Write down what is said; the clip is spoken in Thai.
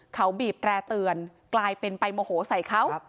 เขาบีบแร่เตือนกลายเป็นไปโมโหใส่เขา